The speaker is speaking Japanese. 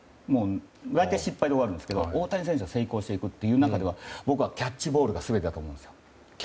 大体失敗で終わるんですけど大谷選手は成功していくという中では僕はキャッチボールが全てだと思うんですよ。